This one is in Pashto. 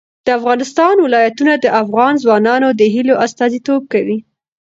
د افغانستان ولايتونه د افغان ځوانانو د هیلو استازیتوب کوي.